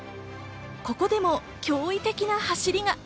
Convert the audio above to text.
ここでも驚異的な走りが。